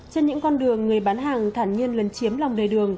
trên những con đường người bán hàng thản nhiên lấn chiếm lòng đầy đường